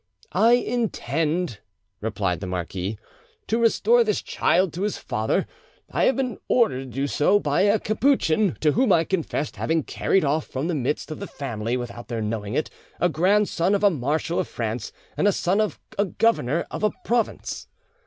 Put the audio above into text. "I intend," replied the marquis, "to restore this child to his father: I have been ordered to do so by a Capuchin to whom I confessed having carried off from the midst of the family, without their knowing it, a grandson of a marshal of France and son of a governor of a province."